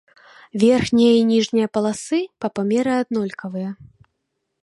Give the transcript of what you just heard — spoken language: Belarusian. Верхняя і ніжняя паласы па памеры аднолькавыя.